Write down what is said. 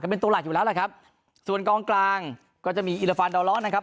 เป็นตัวหลักอยู่แล้วแหละครับส่วนกองกลางก็จะมีอิลฟานดาวล้อนะครับ